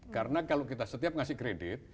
karena kalau kita setiap ngasih kredit